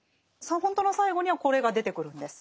本当の最後にはこれが出てくるんです。